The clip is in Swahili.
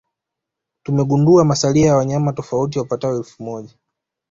Tumegundua masalia ya wanyama tofauti wapatao elfu moja